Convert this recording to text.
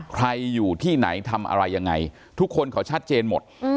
ใครอยู่ที่ไหนทำอะไรยังไงทุกคนเขาชัดเจนหมด